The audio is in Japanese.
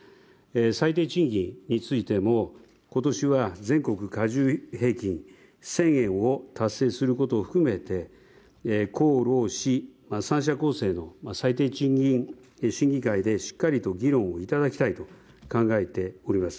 最低賃金についても今年は全国加重平均１０００円を達成することを含めて公労使、最低賃金審議会でしっかりと議論をいただきたいと考えています。